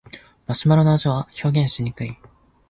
マシュマロの味は表現しにくい